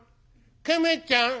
ケメちゃん」。